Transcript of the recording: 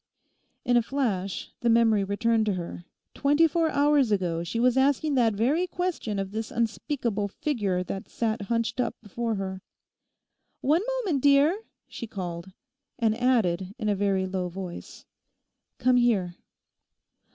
In a flash the memory returned to her; twenty four hours ago she was asking that very question of this unspeakable figure that sat hunched up before her. 'One moment, dear,' she called. And added in a very low voice, 'Come here!